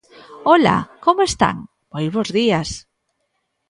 Ola, ¿como están?, moi bos días.